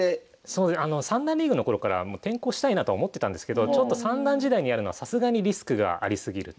三段リーグの頃から転向したいなとは思ってたんですけど三段時代にやるのはさすがにリスクがあり過ぎると。